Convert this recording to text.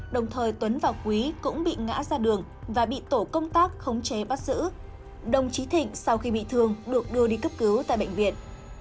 đồng thời tuấn và quý cũng bị ngã ra đường và bị tổ công tác khống chế bắt giữ đồng chí thịnh sau khi bị thương được đưa đi cấp cứu tại bệnh viện